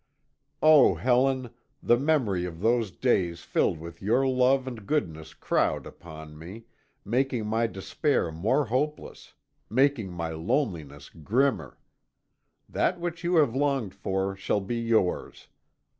Oh, Helen, the memory of those days filled with your love and goodness crowd upon me, making my despair more hopeless; making my loneliness grimmer. That which you have longed for shall be yours.